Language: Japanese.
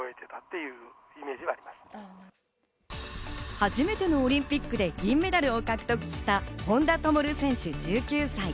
初めてのオリンピックで銀メダルを獲得した本多灯選手、１９歳。